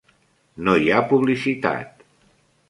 No hi ha publicitat.